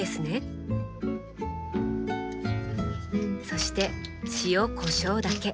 そして塩こしょうだけ。